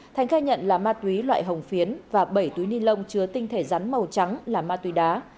thành khai nhận là ma túy loại hồng phiến và bảy túi ni lông chứa tinh thể rắn màu trắng là ma túy đá